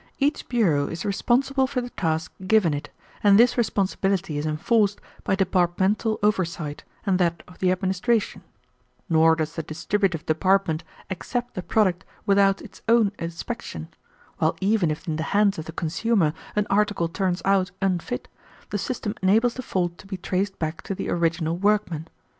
Each bureau is responsible for the task given it, and this responsibility is enforced by departmental oversight and that of the administration; nor does the distributive department accept the product without its own inspection; while even if in the hands of the consumer an article turns out unfit, the system enables the fault to be traced back to the original workman.